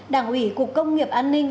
đảng ủy cục công nghiệp an ninh